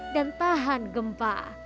dan tahan gempa